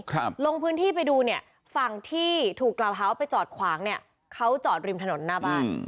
ลงพื้นที่ไปดูเนี่ยฝั่งที่ถูกกล่าวหาว่าไปจอดขวางเนี่ยเขาจอดริมถนนหน้าบ้าน